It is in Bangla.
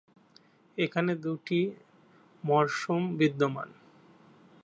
এখানে দুটি মরসুম বিদ্যমান।